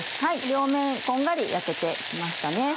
両面こんがり焼けて来ましたね。